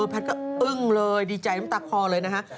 แพทย์ก็อึ้งเลยดีใจน้ำตาคอเลยนะฮะ